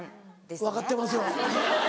分かってますよ。